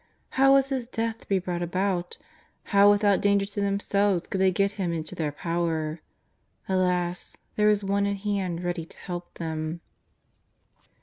'' How was His death to be brought about? How, without danger to themselves, could they get Him into their power ? Alas ! there was one at hand ready to help them.